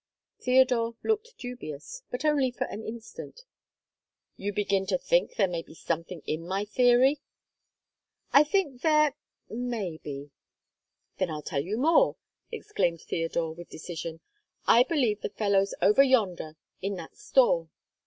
Theodore looked dubious, but only for an instant. "You begin to think there may be something in my theory?" "I think there may be." "Then I'll tell you more!" exclaimed Theodore with decision: "I believe the fellow's over yonder in that store!"